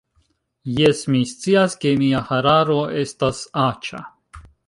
Jes, mi scias ke mia hararo estas aĉa